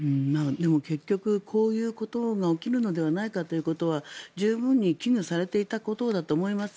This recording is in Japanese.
結局、こういうことが起きるのではないかということは十分に危惧されていたことだと思います。